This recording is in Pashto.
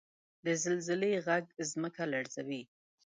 • د زلزلې ږغ ځمکه لړزوي.